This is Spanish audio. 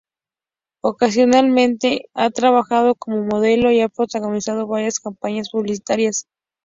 Ocasionalmente, ha trabajado como modelo y ha protagonizado varias campañas publicitarias.